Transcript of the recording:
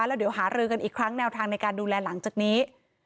แล้วเดี๋ยวหารือกันอีกครั้งแนวทางในการดูแลหลังจากนี้